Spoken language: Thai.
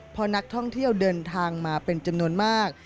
พอนักท่องเที่ยวเดินทางมาเป็นจำนวนมาก